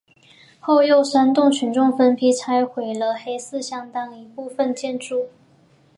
后又煽动群众分批拆毁了黑寺相当一部分建筑。